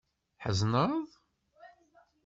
Tḥezneḍ?